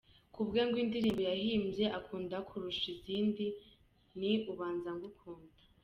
Kubwe ngo indirimbo yahimbye akunda kurusha izindi ni ‘Ubanza Ngukunda’.